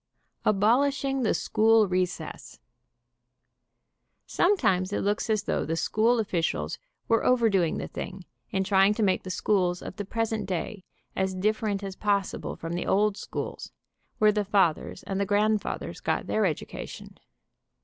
ABOLISHING THE SCHOOL RECESS. Sometimes it looks as though the school officials were overdoing the thing in trying to make the schools of the present day as different as possible from the old schools, where the fathers and the grand ABOLISHING THE SCHOOL RECESS 149 fathers got their education.